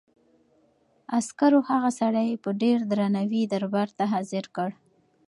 عسکرو هغه سړی په ډېر درناوي دربار ته حاضر کړ.